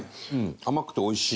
甘くておいしい。